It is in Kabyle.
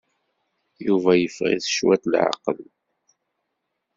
Yuba yeffeɣ-it cwiṭ leɛqel.